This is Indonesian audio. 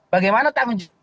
bagaimana tangan juga